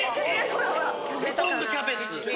ほとんどキャベツ。